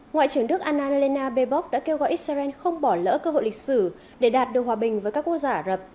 ngoại trưởng đức anna helena baebock đã kêu gọi israel không bỏ lỡ cơ hội lịch sử để đạt được hòa bình với các quốc gia ả rập